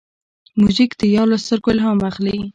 موزیک د یار له سترګو الهام اخلي.